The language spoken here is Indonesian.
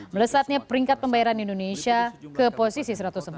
melesatnya peringkat pembayaran indonesia ke posisi satu ratus empat